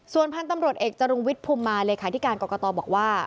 ส่วนพันธุ์ตำรวจเอกจรุงวิทย์ภูมิมาเลขาธิการกรกตบอกว่า